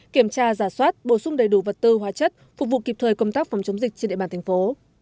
kiểm tra giả soát bổ sung đầy đủ vật tư hóa chất phục vụ kịp thời công tác phòng chống dịch trên địa bàn thành phố